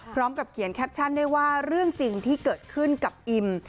พร้อมกับเขียนแคปชั่นได้ว่าเรื่องจริงที่เกิดขึ้นกับอิม